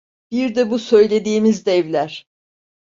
Bir de bu söylediğimiz devler.